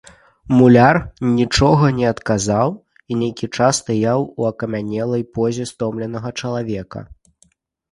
Муляр нічога не адказаў і нейкі час стаяў у акамянелай позе стомленага чалавека.